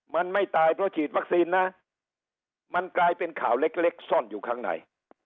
มันไม่ตายเพราะฉีดวัคซีนนะมันกลายเป็นข่าวเล็กซ่อนอยู่ข้างใน